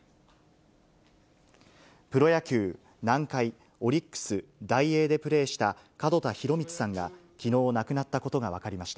プロ野球・南海、オリックス、ダイエーでプレーした門田博光さんがきのう亡くなったことが分かりました。